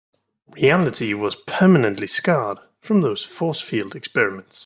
Reality was permanently scarred from those force field experiments.